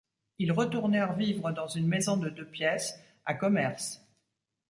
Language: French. Ils retournèrent vivre dans une maison de deux pièces à Commerce.